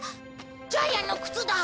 ジャイアンの靴だ！